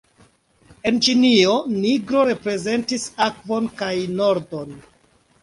En Ĉinio nigro reprezentis akvon kaj nordon.